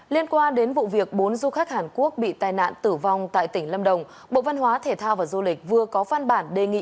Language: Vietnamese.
liên quan đến vụ việc bốn du khách hàn quốc bị tai nạn tử vong tại tỉnh lâm đồng bộ văn hóa thể thao và du lịch vừa có phan bản đề nghị